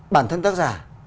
bản thân tác giả